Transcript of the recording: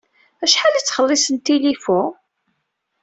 Acḥal i ttxelliṣen tilifu?